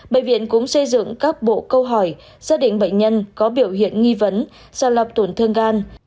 bệnh viện cũng xây dựng các bộ câu hỏi xác định bệnh nhân có biểu hiện nghi vấn sàng lọc tổn thương gan